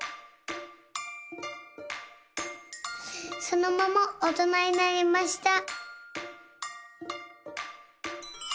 そのままおとなになりました。